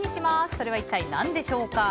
それは一体何でしょう？